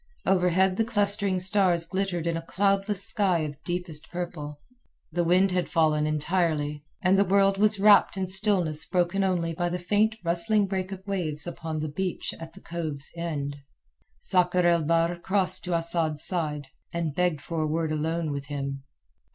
Overhead the clustering stars glittered in a cloudless sky of deepest purple. The wind had fallen entirely, and the world was wrapped in stillness broken only by the faint rustling break of waves upon the beach at the cove's end. Sakr el Bahr crossed to Asad's side, and begged for a word alone with him.